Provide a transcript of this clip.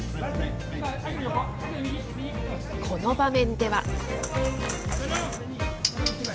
この場面では。